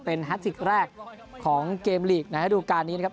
เป็นแรกของเกมลีกน่าเฮดดูการณ์นี้นะครับ